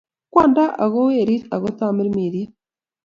Kwanda ak ko Werit, ak ko Tamirmiriet,